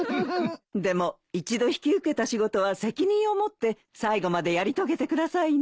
でも一度引き受けた仕事は責任を持って最後までやり遂げてくださいね。